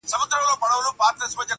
ما یې لیدی پر یوه لوړه څانګه،